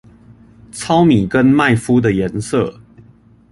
糙米跟麥麩的顏色